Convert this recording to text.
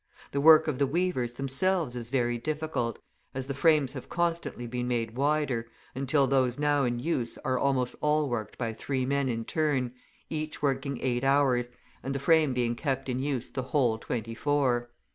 The work of the weavers themselves is very difficult, as the frames have constantly been made wider, until those now in use are almost all worked by three men in turn, each working eight hours, and the frame being kept in use the whole twenty four.